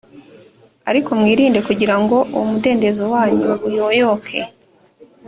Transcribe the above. ariko mwirinde kugira ngo uwo mudendezo wanyu uyoyoke